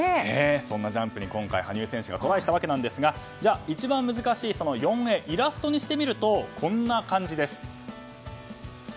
そんなジャンプに今回、羽生選手がトライしたわけですが一番難しい４Ａイラストにしてみるとこんな感じです。